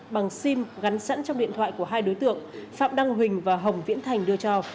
bằng sim gắn sẵn trong điện thoại của hai đối tượng phạm đăng huỳnh và hồng viễn thành đưa cho